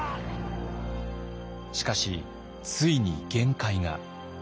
しかしついに限界が。